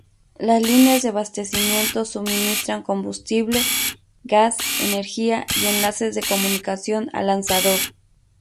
Las líneas de abastecimiento suministran combustible, gas, energía y enlaces de comunicación al lanzador.